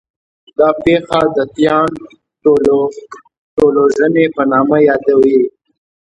دا پېښه د 'تیان ټولوژنې' په نامه یادوي.